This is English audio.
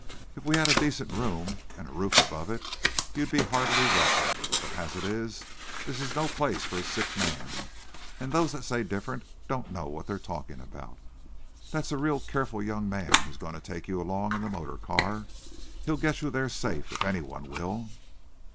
If we had a decent room, and a roof above it, you'd be heartily welcome, but as it is, this is no place for a sick man, and those that say different don't know what they are talking about. That's a real careful young man who's going to take you along in the motor car. He'll get you there safe, if any one will."